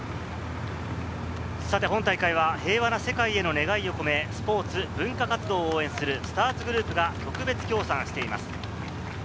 本大会は平和な世界への願いを込め、スポーツ・文化活動を応援するスターツグループが特別協賛しています。